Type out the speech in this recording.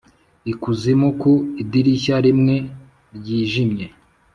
ikuzimu ku idirishya rimwe ryijimye;